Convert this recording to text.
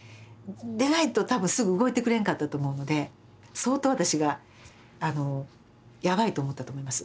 でないと多分すぐ動いてくれんかったと思うので相当私がやばいと思ったと思います。